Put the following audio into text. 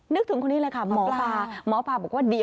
นูปราปสัมภเวศี